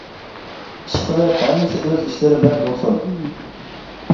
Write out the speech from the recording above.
ئىشقىلىپ ھەممىسى ئۆز ئىشلىرى بىلەن بولسۇن.